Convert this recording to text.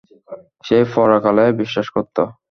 সে পরকালে বিশ্বাস করত।